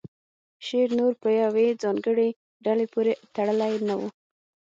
شعر نور په یوې ځانګړې ډلې پورې تړلی نه و